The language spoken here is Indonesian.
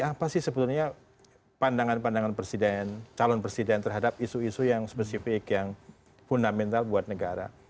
apa sih sebetulnya pandangan pandangan presiden calon presiden terhadap isu isu yang spesifik yang fundamental buat negara